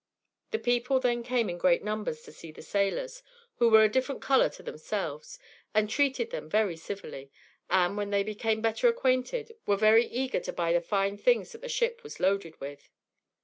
The people then came in great numbers to see the sailors, who were of different color to themselves, and treated them very civilly; and, when they became better acquainted, were very eager to buy the fine things that the ship was loaded with.